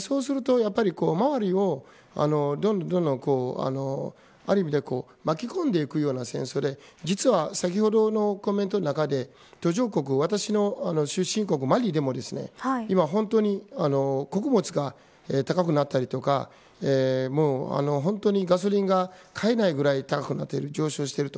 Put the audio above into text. そうすると、周りをどんどんある意味では巻き込んでいくような戦争で実は、先ほどのコメントの中で途上国、私の出身国マリも今本当に穀物が高くなったりとか本当にガソリンが買えないぐらい高くなっている上昇していると。